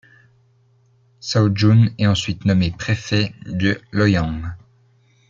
Shaojun est ensuite nommé préfet de Loyang.